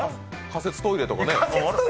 仮設トイレとかね